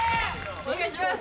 お願いします！